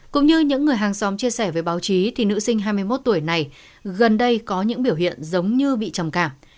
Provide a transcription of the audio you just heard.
cũng như những người hàng xóm chia sẻ với báo chí thì nữ sinh hai mươi một tuổi này gần đây có những biểu hiện giống như bị trầm cảm